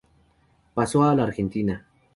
Pasó a la Argentina.